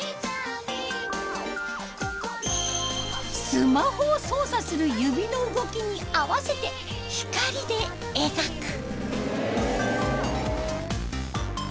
スマホを操作する指の動きに合わせて光で描く。